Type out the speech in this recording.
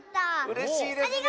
うれしいですね。